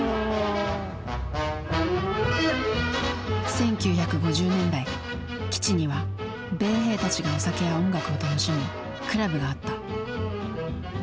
１９５０年代基地には米兵たちがお酒や音楽を楽しむクラブがあった。